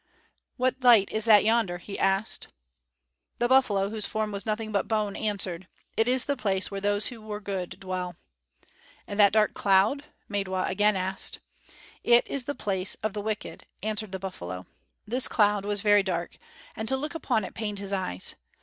"What light is that yonder?" he asked. The buffalo whose form was nothing but bone answered "It is the place where those who were good dwell." "And that dark cloud?" Maidwa again asked. "It is the place of the wicked," answered the buffalo. This cloud was very dark and to look upon it pained his eyes.